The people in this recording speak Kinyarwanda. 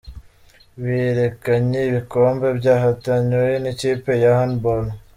Berekanye ibikombe byatahanywe n’ikipe ya hand ball.